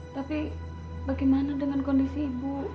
tapi bagaimana dengan kondisi ibu